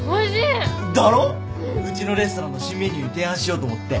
うちのレストランの新メニューに提案しようと思って。